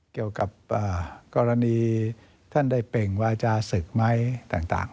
เกี่ยวกับกรณีท่านได้เป่งว่าจะศึกไหมต่าง